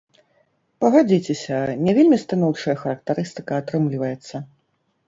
Пагадзіцеся, не вельмі станоўчая характарыстыка атрымліваецца.